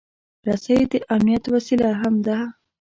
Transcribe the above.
رسۍ د امنیت وسیله هم ده.